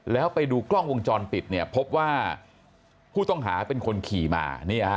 แล้วไปดูกล้องวงจรปิดเนี่ยพบว่าผู้ต้องหาเป็นคนขี่มา